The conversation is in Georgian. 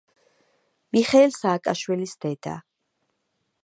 მიხეილ სააკაშვილის დედა.